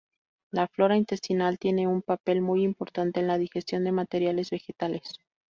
La flora intestinal tiene un papel muy importante en la digestión de materiales vegetales.